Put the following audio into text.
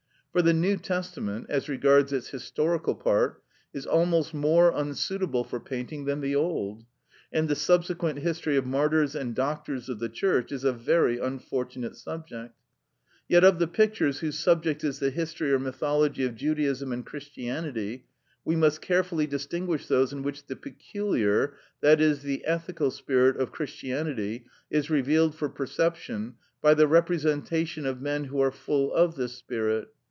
For the New Testament, as regards its historical part, is almost more unsuitable for painting than the Old, and the subsequent history of martyrs and doctors of the church is a very unfortunate subject. Yet of the pictures, whose subject is the history or mythology of Judaism and Christianity, we must carefully distinguish those in which the peculiar, i.e., the ethical spirit of Christianity is revealed for perception, by the representation of men who are full of this spirit.